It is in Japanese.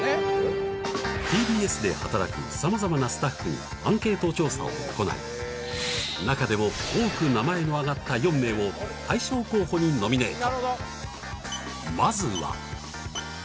ＴＢＳで働く様々なスタッフにアンケート調査を行い中でも多く名前の挙がった４名を大賞候補にノミネート